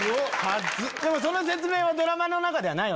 その説明はドラマの中ではない？